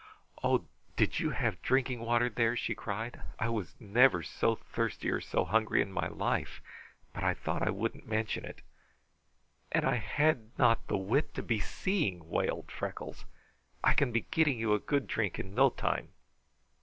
"Oh! did you have drinking water there?" she cried. "I was never so thirsty or so hungry in my life, but I thought I wouldn't mention it." "And I had not the wit to be seeing!" wailed Freckles. "I can be getting you a good drink in no time."